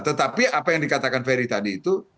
tetapi apa yang dikatakan ferry tadi itu